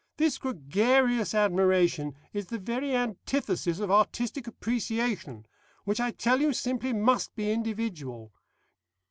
This gregarious admiration is the very antithesis of artistic appreciation, which I tell you, simply must be individual."